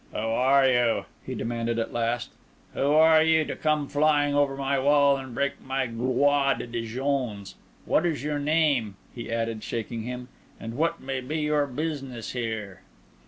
"Who are you?" he demanded at last. "Who are you to come flying over my wall and break my Gloire de Dijons! What is your name?" he added, shaking him; "and what may be your business here?"